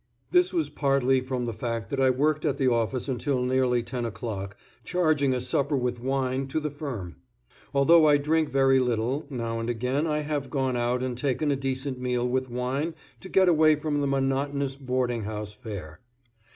This was partly from the fact that I worked at the office until nearly ten o'clock, charging a supper with wine to the firm. Although I drink very little, now and again I have gone out and taken a decent meal with wine to get away from the monotonous boarding house fare.